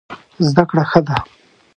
زده کړه ښه ده.